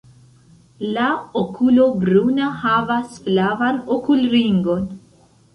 La okulo bruna havas flavan okulringon.